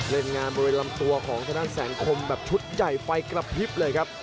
เล่นงานบริเวณลำตัวของทางด้านแสงคมแบบชุดใหญ่ไฟกระพริบเลยครับ